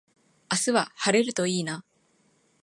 明日は晴れるといいな。